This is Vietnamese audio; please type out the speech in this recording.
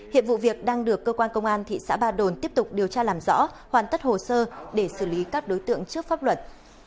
hiện vụ việc đang được cơ quan công an thị xã ba đồn tiếp tục điều tra làm rõ hoàn tất hồ sơ để xử lý các đối tượng trước pháp luật